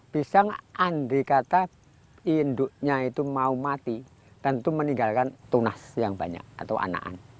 pisang andrikata induknya itu mau mati tentu meninggalkan tunas yang banyak atau anaan